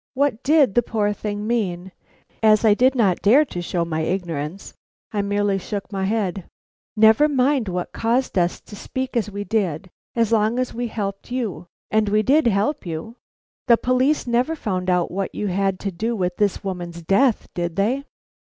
What did the poor thing mean? As I did not dare to show my ignorance, I merely shook my head. "Never mind what caused us to speak as we did, as long as we helped you. And we did help you? The police never found out what you had to do with this woman's death, did they?"